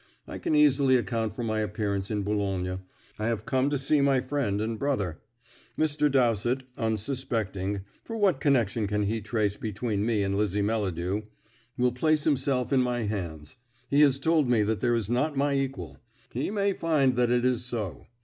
I can easily account for my appearance in Boulogne; I have come to see my friend and brother. Mr. Dowsett, unsuspecting for what connection can he trace between me and Lizzie Melladew? will place himself in my hands. He has told me that there is not my equal; he may find that it is so.